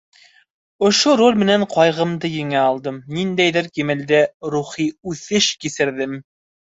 Ошо роль менән ҡайғымды еңә алдым, ниндәйҙер кимәлдә рухи үҫеш кисерҙем.